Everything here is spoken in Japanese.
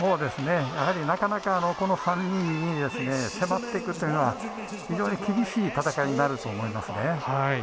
なかなか、この３人に迫ってくるというのは非常に厳しい戦いになると思いますね。